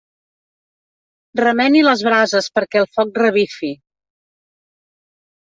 Remeni les brases perquè el foc revifi.